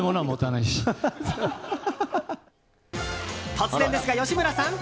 突然ですが、吉村さん！